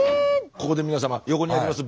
ここで皆様横にあります